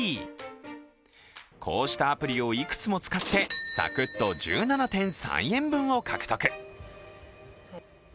こうしたアプリをいくつも使って、さくっと１７．３円分を獲得。